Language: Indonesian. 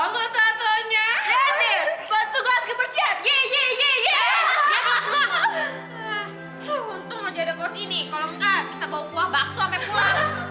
wah untung aja ada kuos ini kalo enggak bisa bawa kuah bakso sampe pulang